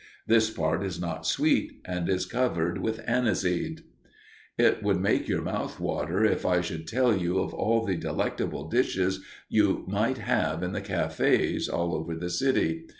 This part is not sweet and is covered with aniseed.) It would make your mouth water if I should tell you of all the delectable dishes you might have in the cafés all over the city.